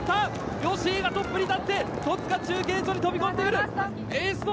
吉居がトップに立って、戸塚中継所に飛び込んでくる。